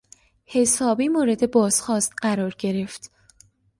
حسابی مورد بازخواست قرار گرفت.